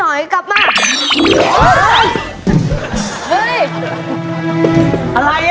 เห้ยเฮ้ย